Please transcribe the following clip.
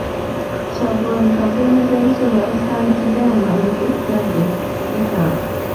Kyagulanyi kampeyini z'e Busoga yazitandikidde mu Mayuge nadda e Iganga .